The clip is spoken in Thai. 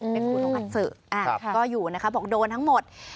เป็นครูของกระสือก็อยู่นะคะบอกโดนทั้งหมด